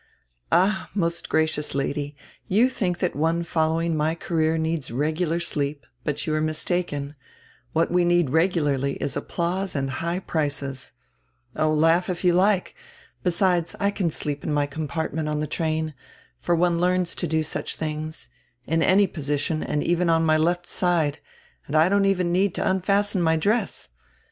"Ah, most gracious Lady, you think that one following my career needs regular sleep, but you are mis taken. What we need regularly is applause and high prices. Oh, laugh if you like. Besides, I can sleep in my compartment on the train — for one learns to do such tilings — in any position and even on my left side, and I don't even need to unfasten my dress.